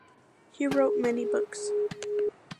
He wrote many books.